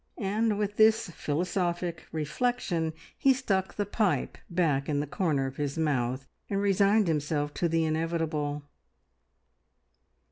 And with this philosophic reflection he stuck the pipe back in the corner of his mouth and resigned himself to the inevitable.